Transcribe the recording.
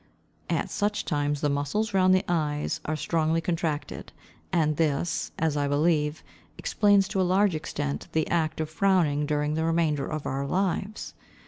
At such times the muscles round the eyes are strongly contracted; and this, as I believe, explains to a large extent the act of frowning during the remainder of our lives.